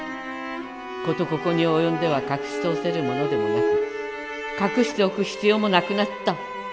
事ここに及んでは隠し通せるものでもなく隠しておく必要もなくなった。